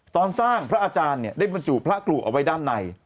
ตอนสร้างพระอาจารย์เนี่ยได้บรรจุพระกรุเอาไว้ด้านใน